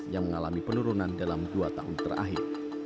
yang mengalami penurunan dalam dua tahun terakhir